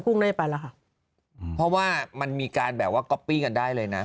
ไม่ได้ไปแล้วค่ะเพราะว่ามันมีการแบบว่าก๊อปปี้กันได้เลยนะ